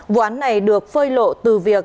vụ án này được phơi lộ từ việc